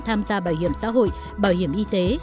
tham gia bảo hiểm xã hội bảo hiểm y tế